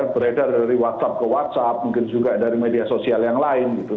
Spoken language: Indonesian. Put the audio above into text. beredar dari whatsapp ke whatsapp mungkin juga dari media sosial yang lain gitu